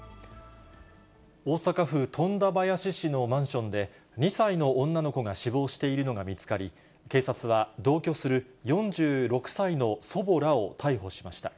大阪府富田林市のマンションで、２歳の女の子が死亡しているのが見つかり、警察は同居する４６歳の祖母らを逮捕しました。